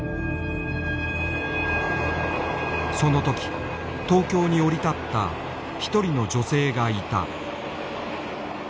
その時東京に降り立った一人の女性がいた。